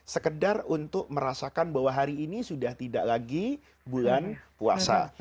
sekedar untuk merasakan bahwa hari ini sudah tidak lagi bulan puasa